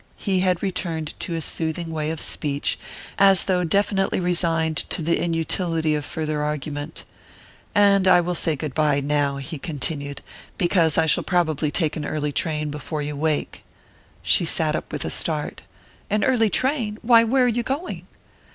He had returned to his soothing way of speech, as though definitely resigned to the inutility of farther argument. "And I will say goodbye now," he continued, "because I shall probably take an early train, before you wake " She sat up with a start. "An early train? Why, where are you going?"